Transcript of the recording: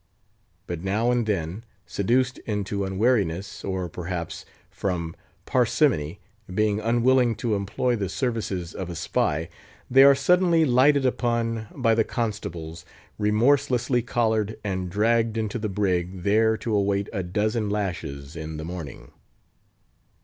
But now and then, seduced into unwariness, or perhaps, from parsimony, being unwilling to employ the services of a spy, they are suddenly lighted upon by the constables, remorselessly collared, and dragged into the brig there to await a dozen lashes in the morning.